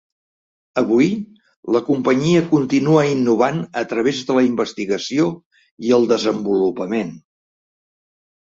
Avui, la companyia continua innovant a través de la investigació i el desenvolupament.